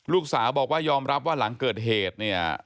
ลูกสาวบอกว่ายอมรับว่าหลังเกิดเหตุเนี่ย